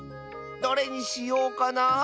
どれにしようかな？